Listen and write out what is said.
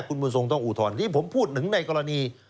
คุณบุญทรงต้องอุทธรณนี่ผมพูดถึงในกรณี